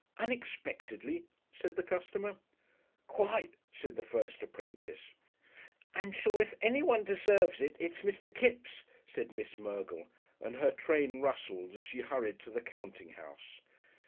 "Unexpectedly?" said the customer. "Quite," said the first apprentice.... "I'm sure if Anyone deserves it, it's Mr. Kipps," said Miss Mergle, and her train rustled as she hurried to the counting house.